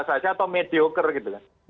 saja atau medioker gitu kan